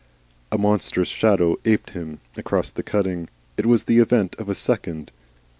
A monstrous shadow aped him across the cutting. It was the event of a second.